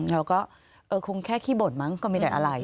เราก็คงแค่ขี้บ่นมั้งก็ไม่ได้อะไร